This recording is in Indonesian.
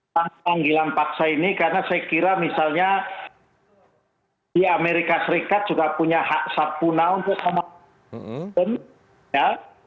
tanpa panggilan paksa ini karena saya kira misalnya di amerika serikat juga punya hak sabuna untuk sama bang mas hinton ya